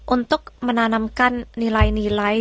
untuk menanamkan nilai nilai